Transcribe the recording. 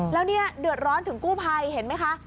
แล้วเนี่ยเดือดร้อนถึงกู้ภัยเห็นไหมคะ